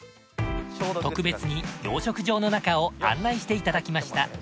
特別に養殖場の中を案内していただきました。